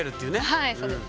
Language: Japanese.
はいそうです。